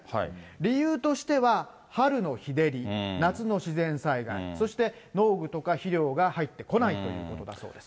理由としては、春の日照り、夏の自然災害、そして農具とか肥料が入ってこないということだそうです。